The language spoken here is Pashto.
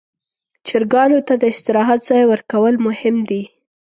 چرګانو ته د استراحت ځای ورکول مهم دي.